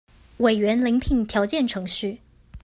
委員遴聘條件程序